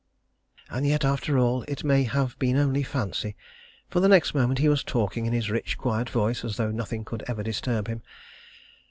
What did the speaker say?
And yet after all it may have been only fancy, for the next moment he was talking in his rich, quiet voice as though nothing could ever disturb him.